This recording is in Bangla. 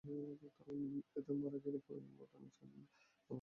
এতে মারা গেলে ঘটনা ধামাচাপা দিতে তাঁর লাশ গুম করা হয়।